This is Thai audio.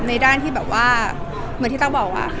ในด้านที่แบบว่า